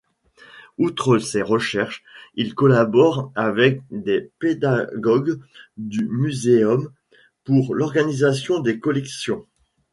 Outre ces recherches, ils collaborent avec les pédagogues du muséum pour l’organisation des collections.